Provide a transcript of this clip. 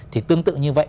thì tương tự như vậy